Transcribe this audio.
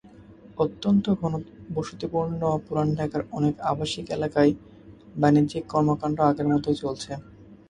অত্যন্ত ঘনবসতিপূর্ণ পুরান ঢাকার অনেক আবাসিক এলাকায় বাণিজ্যিক কর্মকাণ্ড আগের মতোই চলছে।